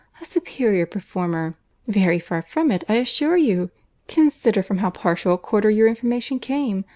A superior performer!—very far from it, I assure you. Consider from how partial a quarter your information came.